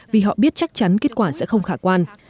vì họ biết chắc chắn kết quả sẽ không khả quan